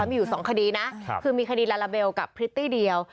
มีอยู่๒คดีนะคือมีคดีลาลาเบลกับพริตตี้เดียว